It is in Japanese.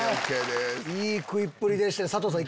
いい食いっぷりでした佐藤さん